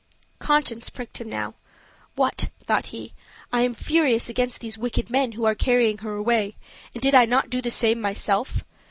Conscience pricked him now. "What!" thought he, "I am furious against these wicked men, who are carrying her away; and did I not do the same myself?